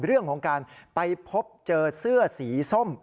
เรื่องของการไปพบเจอเสื้อสีส้ม